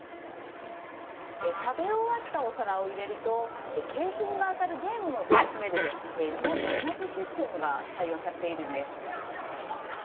食べ終わったお皿を入れると、景品が当たるゲームも楽しめる、日本と同じシステムが採用されているんです。